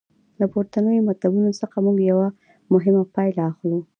له پورتنیو مطالبو څخه موږ یوه مهمه پایله اخلو.